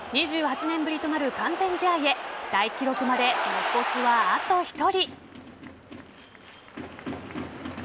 ２８年ぶりとなる完全試合へ大記録まで、残すはあと１人。